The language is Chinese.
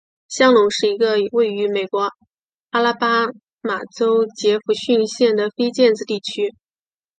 香农是一个位于美国阿拉巴马州杰佛逊县的非建制地区。